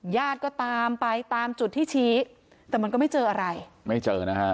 ญาติก็ตามไปตามจุดที่ชี้แต่มันก็ไม่เจออะไรไม่เจอนะฮะ